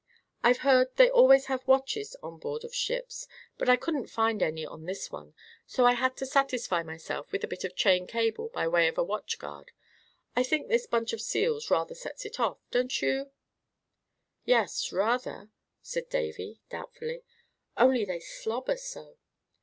I've heard they always have watches on board of ships, but I couldn't find any on this one, so I had to satisfy myself with a bit of chain cable by way of a watch guard. I think this bunch of seals rather sets it off, don't you?" "Yes, rather," said Davy, doubtfully; "only they slobber so."